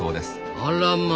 あらま！